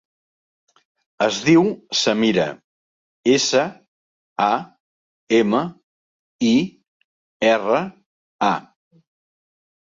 Es diu Samira: essa, a, ema, i, erra, a.